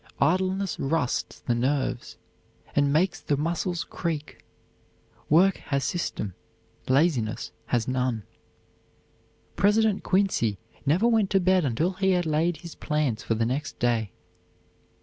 Idleness rusts the nerves and makes the muscles creak. Work has system, laziness has none. President Quincy never went to bed until he had laid his plans for the next day.